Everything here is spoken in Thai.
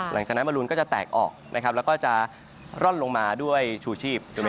หลังจากนั้นมรูนก็จะแตกออกนะครับแล้วก็จะร่อนลงมาด้วยชูชีพ